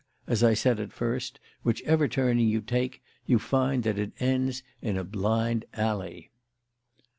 as I said at first, whichever turning you take, you find that it ends in a blind alley."